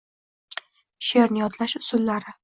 Sheʼrni yodlash usullari.